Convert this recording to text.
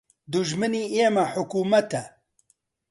دوژمنی ئێمە حکومەتە